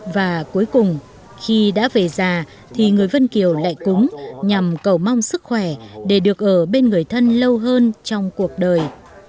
và cuối cùng khi đã về già thì người vân kiều lại cúng nhằm cầu mong sức khỏe để được ở bên người thân lâu hơn trong cuộc đời